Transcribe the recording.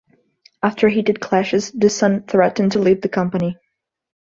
After heated clashes, the son threatened to leave the company.